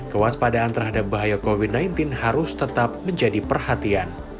kewaspadaan terhadap bahaya covid sembilan belas harus tetap menjadi perhatian